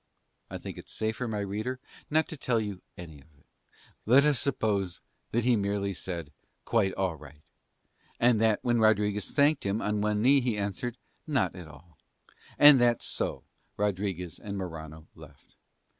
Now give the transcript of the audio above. I think it safer, my reader, not to tell you any of it. Let us suppose that he merely said, "Quite all right," and that when Rodriguez thanked him on one knee he answered, "Not at all;" and that so Rodriguez and Morano left.